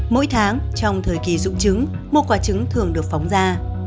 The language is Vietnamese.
mỗi tháng trong thời kỳ rụng trứng một quả trứng thường được phóng ra